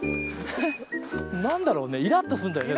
何だろうねイラッとすんだよね。